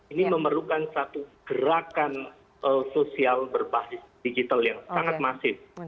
ini memerlukan satu gerakan sosial berbasis digital yang sangat masif